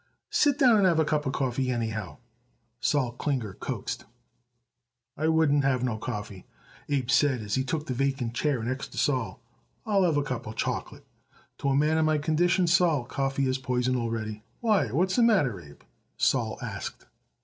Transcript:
"Sit down and have a cup of coffee, anyhow," Sol Klinger coaxed. "I wouldn't have no coffee," Abe said as he took the vacant chair next to Sol. "I'll have a cup of chocolate. To a man in my conditions, Sol, coffee is poison already." "Why, what's the matter, Abe?" Sol asked.